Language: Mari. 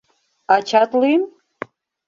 Ачат лӱм?